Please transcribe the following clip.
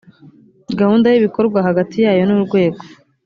gahunda y ibikorwa hagati yayo n urwego